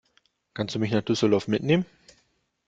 Kannst du mich nach Düsseldorf mitnehmen?